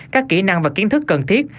các kỹ năng và kiến thức cần thiết